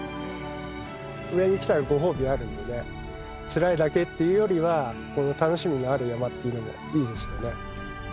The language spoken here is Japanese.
上に来たらご褒美あるんでねつらいだけっていうよりは楽しみがある山というのもいいですよね。